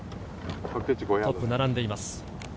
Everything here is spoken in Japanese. トップ並んでいます。